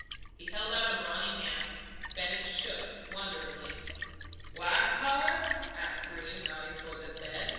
He held out a brawny hand. Bennett "shook" wonderingly. "Wife, pard?" asked Breem, gently, nodding toward the bed.